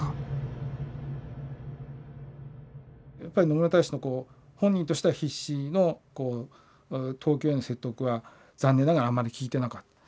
野村大使の本人としては必死の東京への説得は残念ながらあんまり効いてなかった。